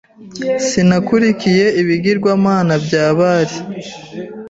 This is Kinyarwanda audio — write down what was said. sinakurikiye ibigirwamana bya Bāli